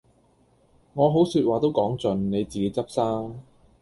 我好說話都講盡，你自己執生